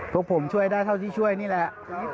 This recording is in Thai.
พวกผมช่วยได้เท่าที่ช่วยนี่แหละ